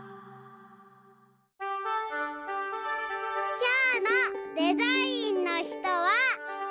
きょうのデザインの人は。